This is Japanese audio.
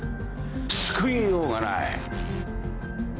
救いようがない。